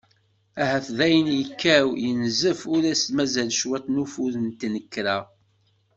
Ahat dayen yekkaw, yenzef ur as-d-mazal cwiṭ n ufud i tnekra.